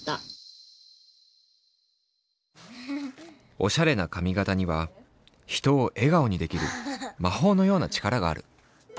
おしゃれな髪型には人を笑顔にできるまほうのような力がある。